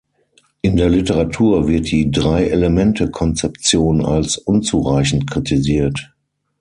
In der Literatur wird die Drei-Elemente-Konzeption als unzureichend kritisiert.